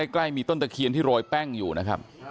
ใกล้มีต้นตะเคียนที่โรยแป้งอยู่นะครับ